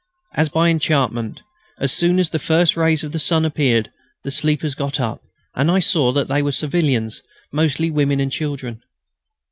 As by enchantment, as soon as the first rays of the sun appeared the sleepers got up, and I saw that they were civilians, mostly women and children.